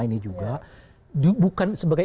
ini juga bukan sebagai